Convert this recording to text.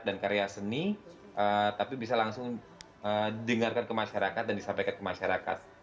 dan karya seni tapi bisa langsung di dengarkan ke masyarakat dan disampaikan ke masyarakat